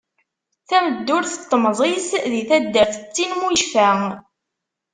Tameddurt n temẓi-s di taddart d ttin mu yecfa.